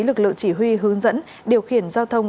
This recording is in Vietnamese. lực lượng chỉ huy hướng dẫn điều khiển giao thông